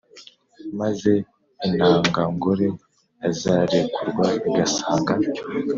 maze intangangore yazarekurwa igasanga